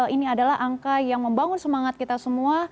ini adalah angka yang membangun semangat kita semua